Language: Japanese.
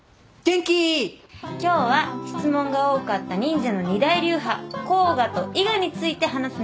今日は質問が多かった忍者の二大流派甲賀と伊賀について話すね。